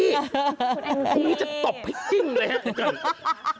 พรุ่งนี้จะตบให้จริงเลยนะคุณ